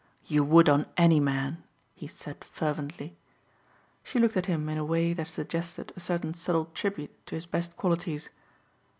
"You would on any man," he said fervently. She looked at him in a way that suggested a certain subtle tribute to his best qualities.